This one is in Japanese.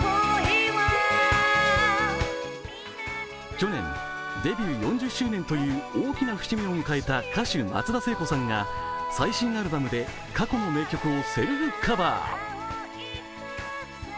去年、デビュー４０周年という大きな節目を迎えた歌手、松田聖子さんが最新アルバムで過去の名曲をセルフカバー。